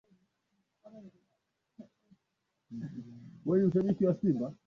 ni mtazamo wa kidiplomasia kutoka kwa mhadhiri wa chuo cha diplomasia nchini tanzania